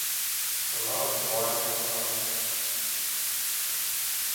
У нас два інтэрнаты.